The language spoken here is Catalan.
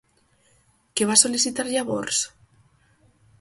Què va sol·licitar llavors?